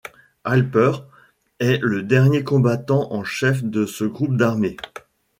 Hilpert est le dernier commandant en chef de ce Groupe d'armées.